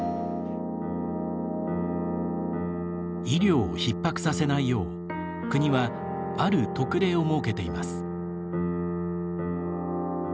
医療をひっ迫させないよう国はある特例を設けています。